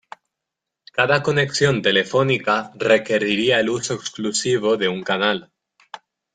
Cada conexión telefónica requería el uso exclusivo de un canal.